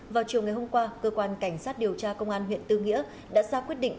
vào chiều ngày hôm qua cơ quan cảnh sát điều tra công an huyện tư nghĩa đã ra quyết định